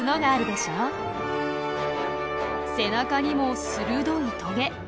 背中にも鋭いトゲ。